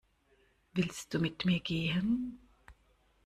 Willst du mit mir gehen?